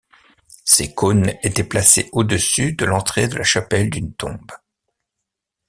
Ces cônes étaient placés au dessus de l'entrée de la chapelle d'une tombe.